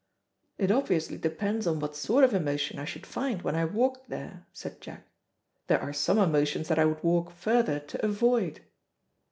"It obviously depends on what sort of emotion I should find when I walked there," said Jack. "There are some emotions that I would walk further to avoid."